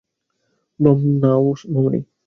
দম নাও, মামনি!